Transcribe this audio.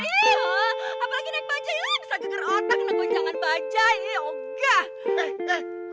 apalagi naik pajayu bisa geger otak nengko jangan pajayu enggak